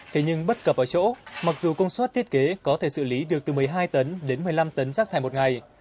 thế nhưng bất cập ở chỗ mặc dù công suất thiết kế có thể xử lý được từ một mươi hai tấn đến một mươi năm tấn rác thải một ngày